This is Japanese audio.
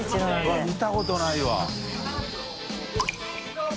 うわっ見たことないわ。